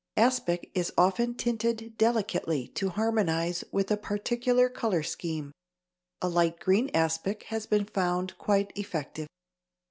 Aspic is often tinted delicately to harmonize with a particular color scheme. A light green aspic has been found quite effective.